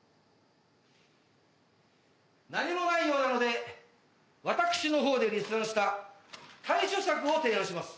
何もないようなので私のほうで立案した対処策を提案します。